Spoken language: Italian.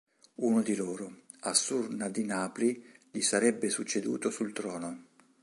Uno di loro, Assur-nadin-apli, gli sarebbe succeduto sul trono.